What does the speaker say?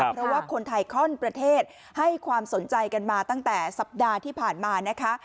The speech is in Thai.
เพราะว่าคนไทยข้อนประเทศให้ความสนใจกันมาตั้งแต่สัปดาห์ที่ผ่านมานะคะ